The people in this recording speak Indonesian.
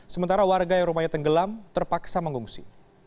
sementara warga yang rumahnya tenggelam terpaksa mengungsi